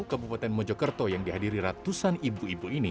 kabupaten mojokerto yang dihadiri ratusan ibu ibu ini